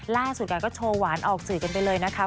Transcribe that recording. ล่าสุดก็โชว์หวานออกสื่อกันไปเลยนะคะ